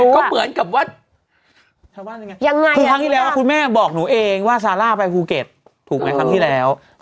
คือครั้งที่แล้วคุณแม่บอกหนูเองว่าซาร่าไปภูเก็ตถูกไหมครั้งที่แล้ว